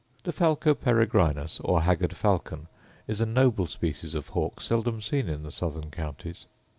The falco peregrinus, or haggard falcon, is a noble species of hawk seldom seen in the southern counties.